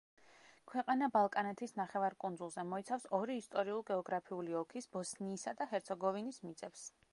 ქვეყანა ბალკანეთის ნახევარკუნძულზე, მოიცავს ორი ისტორიულ-გეოგრაფიული ოლქის ბოსნიისა და ჰერცეგოვინის მიწებს.